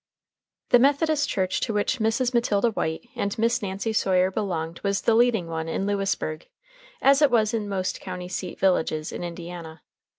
The Methodist church to which Mrs. Matilda White and Miss Nancy Sawyer belonged was the leading one in Lewisburg, as it was in most county seat villages in Indiana.